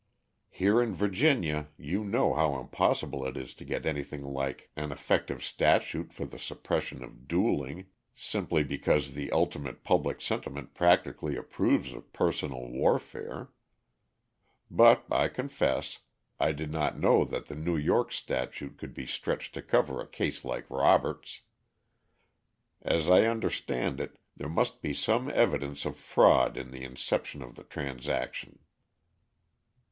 Here in Virginia you know how impossible it is to get anything like an effective statute for the suppression of dueling, simply because the ultimate public sentiment practically approves of personal warfare. But, I confess, I did not know that the New York statute could be stretched to cover a case like Robert's. As I understand it, there must be some evidence of fraud in the inception of the transaction."